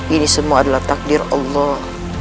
ini semua adalah takdir allah